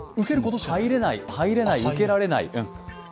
入れない、受けられない。